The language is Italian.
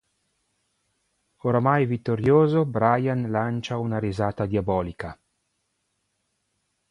Oramai vittorioso, Bryan lancia una risata diabolica.